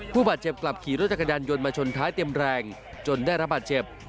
ผู้บาดเจ็บกลับขี่รถจักรยานยนต์มาชนท้ายเต็มแรงจนได้รับบาดเจ็บ